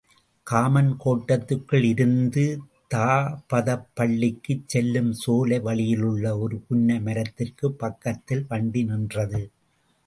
Common கோட்டத்திற்குள் இருந்து தாபதப் பள்ளிக்குச் செல்லும் சோலை வழியிலுள்ள ஒரு புன்னை மரத்திற்குப் பக்கத்தில் வண்டி நின்றது.